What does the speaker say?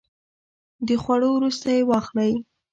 د خوړو وروسته یی واخلئ